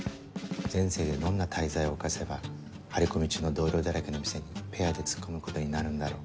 前世でどんな大罪を犯せば張り込み中の同僚だらけの店にペアで突っ込むことになるんだろう。